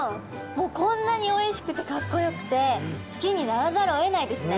もうこんなにおいしくてかっこよくて好きにならざるをえないですね。